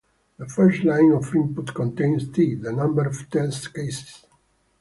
The first line of input contains T, the number of test cases.